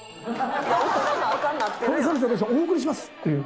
「お送りします」っていう。